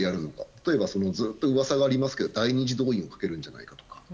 例えばずっと噂がありますが第２次動員をかけるんじゃないかとか。